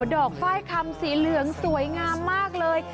อกฝ้ายคำสีเหลืองสวยงามมากเลย